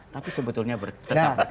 tapi sebetulnya tetap berkaitan